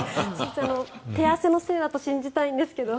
手汗のせいだと信じたいんですけど。